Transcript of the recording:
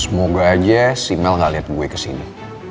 semoga aja si mel gak liat gue kesini